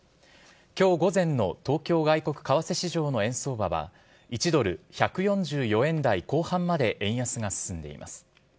きょう午前の東京外国為替市場の円相場は１ドル１４４円台後半まで円安が進んでいます。